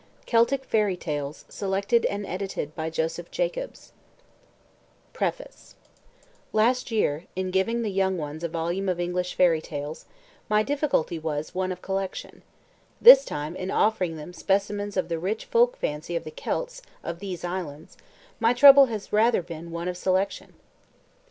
And you will see What you will see TO ALFRED NUTT PREFACE Last year, in giving the young ones a volume of English Fairy Tales, my difficulty was one of collection. This time, in offering them specimens of the rich folk fancy of the Celts of these islands, my trouble has rather been one of selection.